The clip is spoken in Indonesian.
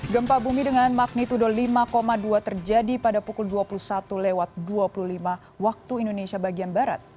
gempa bumi dengan magnitudo lima dua terjadi pada pukul dua puluh satu dua puluh lima waktu indonesia bagian barat